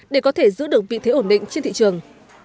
để có thể giữ được vị thế ổn định trên thị trường